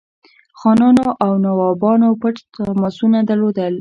خانانو او نوابانو پټ تماسونه درلودل.